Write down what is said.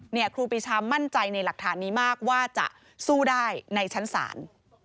ครูปีชามั่นใจในหลักฐานนี้มากว่าจะสู้ได้ในชั้นศาล